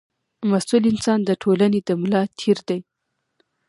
مسوول انسان د ټولنې د ملا تېر دی.